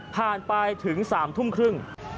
ผ่านไปถึง๓ทุ่มครึ่ง